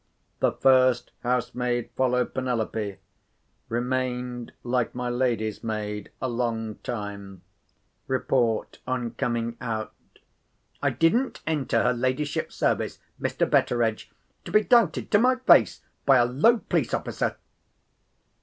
The first housemaid followed Penelope. Remained, like my lady's maid, a long time. Report, on coming out: "I didn't enter her ladyship's service, Mr. Betteredge, to be doubted to my face by a low police officer!"